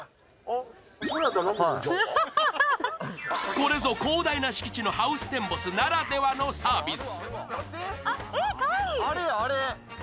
これぞ広大な敷地のハウステンボスならではのサービス。